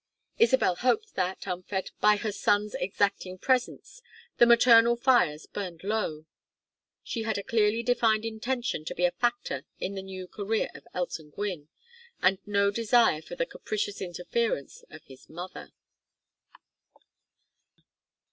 Isabel hoped that, unfed by her son's exacting presence the maternal fires burned low; she had a clearly defined intention to be a factor in the new career of Elton Gwynne, and no desire for the capricious interference of his mother.